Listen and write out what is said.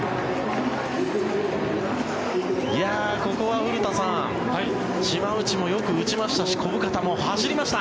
ここは古田さん島内もよく打ちましたし小深田も走りました。